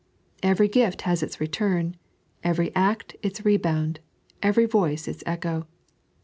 Every gift has its return, every act its rebound, every voice its echo.